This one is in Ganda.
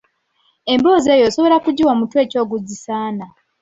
Emboozi eyo osobola kugiwa mutwe ki ogugisaana?